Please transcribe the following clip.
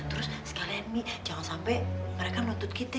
terus sekalian mi jangan sampai mereka menuntut kita